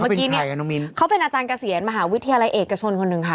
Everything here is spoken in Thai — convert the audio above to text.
เมื่อกี้เนี่ยเขาเป็นอาจารย์เกษียณมหาวิทยาลัยเอกชนคนหนึ่งค่ะ